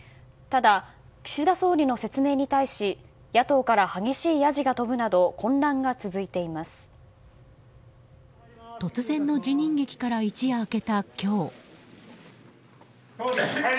ただ、岸田総理の説明に対し野党から激しいやじが飛ぶなど突然の辞任劇から一夜明けた今日。